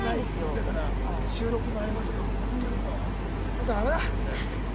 だから収録の合間とかもほんとにもうもうダメだ！みたいになってます。